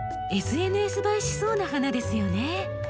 ＳＮＳ映えしそうな花ですよね。